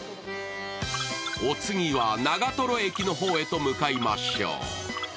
お次は長瀞駅の方へと向かいましょう。